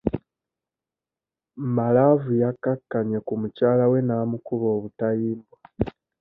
Malaavu yakkakkanye ku mukyalawe n'amukuba obutayimbwa.